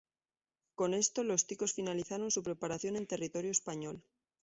Con esto los "Ticos" finalizaron su preparación en territorio español.